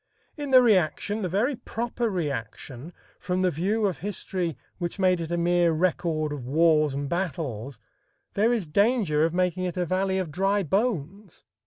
In the reaction, the very proper reaction from the view of history which made it a mere record of wars and battles there is danger of making it a valley of dry bones.